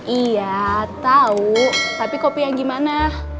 iya tahu tapi kopi yang gimana